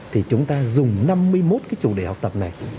thì chúng ta dùng năm mươi một cái chủ đề học tập này